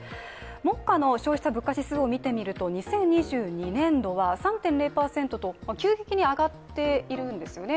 目下の消費者物価指数を見てみると２０２２年度は３．０％と急激に上がっているんですよね。